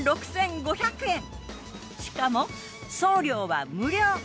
しかも送料は無料！